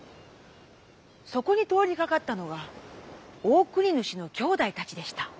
そこに通りかかったのがオオクニヌシの兄弟たちでした。